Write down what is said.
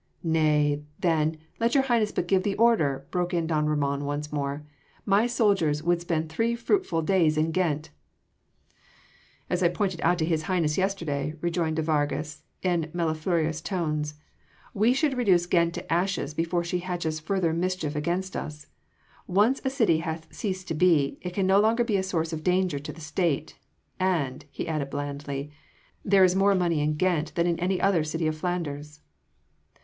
"Nay, then, let your Highness but give the order," broke in don Ramon once more, "my soldiers would spend three fruitful days in Ghent." "As I pointed out to His Highness yesterday," rejoined de Vargas in mellifluous tones, "we should reduce Ghent to ashes before she hatches further mischief against us. Once a city hath ceased to be, it can no longer be a source of danger to the State ... and," he added blandly, "there is more money in Ghent than in any other city of Flanders."